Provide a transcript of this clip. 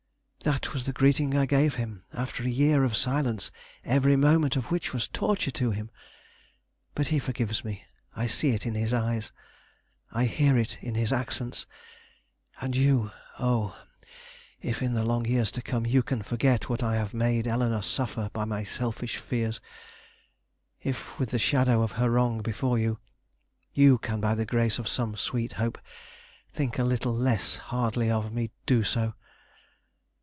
That was the greeting I gave him after a year of silence every moment of which was torture to him. But he forgives me; I see it in his eyes; I hear it in his accents; and you oh, if in the long years to come you can forget what I have made Eleanore suffer by my selfish fears; if with the shadow of her wrong before you, you can by the grace of some sweet hope think a little less hardly of me, do.